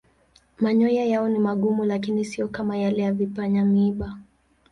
Manyoya yao ni magumu lakini siyo kama yale ya vipanya-miiba.